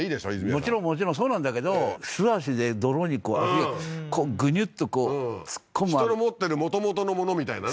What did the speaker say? もちろんもちろんそうなんだけど素足で泥に足をグニュッとこう突っ込む人の持ってるもともとのものみたいなね